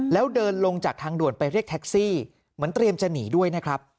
แล้วเดินลงจากทางด่วนไปเรียกแท็กซี่เหมือนเตรียมจะหนีด้วยนะครับ